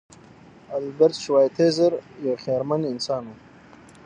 البرټ شوایتزر یو خیرمن انسان و.